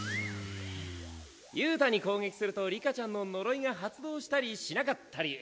憂太に攻撃すると里香ちゃんの呪いが発動したりしなかったり。